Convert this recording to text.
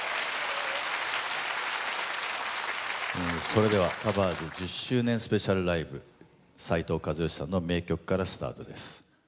それでは「カバーズ」１０周年スペシャルライブ斉藤和義さんの名曲からスタートです。